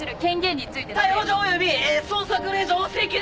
逮捕状および捜索令状を請求できる